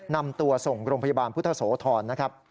นำตัวส่งกรมพยาบาลพุทธโสธร